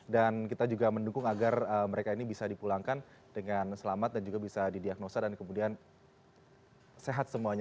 dan kita juga mendukung agar mereka ini bisa dipulangkan dengan selamat dan juga bisa didiagnosa dan kemudian sehat semuanya